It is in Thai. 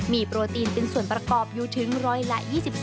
มีโปรตีนเป็นส่วนประกอบอยู่ถึงร้อยละ๒๒